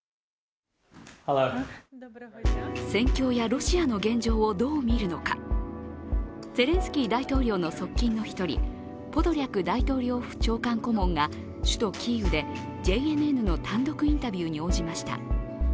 戦況やロシアの現状をどう見るのか、ゼレンスキー大統領の側近の一人ポドリャク大統領府長官顧問が、首都キーウでＪＮＮの単独インタビューに応じました。